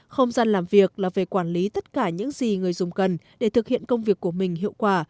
không gian làm việc là về quản lý tất cả những gì người dùng cần để thực hiện công việc của mình hiệu quả